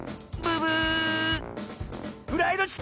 ブブー！